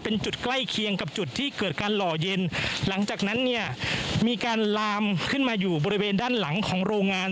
เป็นจุดใกล้เคียงกับจุดที่เกิดการหล่อเย็นหลังจากนั้นเนี่ยมีการลามขึ้นมาอยู่บริเวณด้านหลังของโรงงาน